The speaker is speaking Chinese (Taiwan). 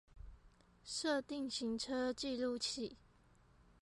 設定行車記錄器